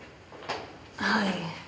はい。